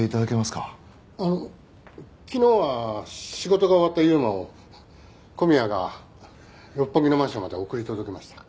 あの昨日は仕事が終わった悠真を小宮が六本木のマンションまで送り届けました。